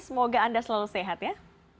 semoga anda selalu sehat ya